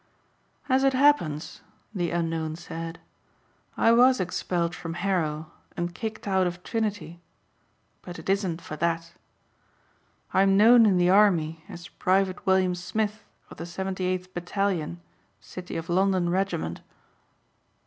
"As it happens," the unknown said, "I was expelled from Harrow and kicked out of Trinity but it isn't for that. I'm known in the army as Private William Smith of the 78th Battalion, City of London Regiment."